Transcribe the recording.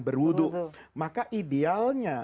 berwudu maka idealnya